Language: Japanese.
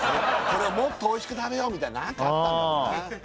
これをもっと美味しく食べようみたいな何かあったんだろうな